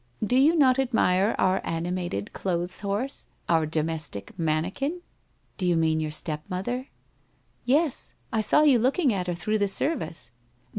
Do you not admire our ani mated clothes horse, our domestic mannequin?' 1 Do you mean your step mother ?'' Yes ; I saw you looking at her all through the service.